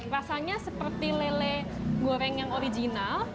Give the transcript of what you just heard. rasanya seperti lele goreng yang original